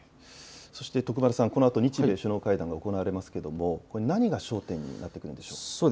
そして徳丸さん、このあと日米首脳会談が行われますが何が焦点になってくるんでしょうか。